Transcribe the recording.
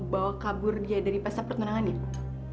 bawa kabur dia dari pasca pertengahan ya